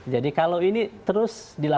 jadi kalau ini terus dilakukan